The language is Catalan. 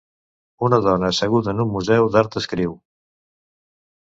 Una dona asseguda en un museu d'art escriu.